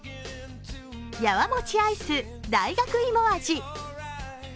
やわもちアイス大学いも味。